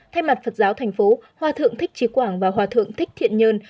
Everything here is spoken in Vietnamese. thay mặt phật giáo thành phố hòa thượng thích trí quảng và hòa thượng thích thiện nhơn